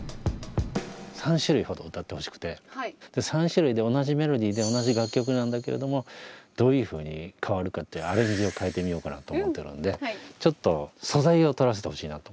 ３種類で同じメロディーで同じ楽曲なんだけれどもどういうふうに変わるかってアレンジを変えてみようかなと思ってるんでちょっと素材を録らせてほしいなと思って。